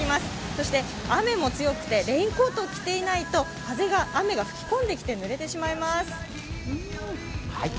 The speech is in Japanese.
そして雨も強くてレインコートを着ていないと風が、雨が吹き込んできてぬれてしまいます。